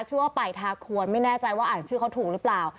ช่วยว่าป่ายทาควณไม่แน่ใจว่าอ่านชื่อเค้าถูกหรือเปล่า